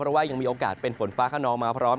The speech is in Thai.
เพราะว่ายังมีโอกาสเป็นฝนฟ้าขนองมาพร้อม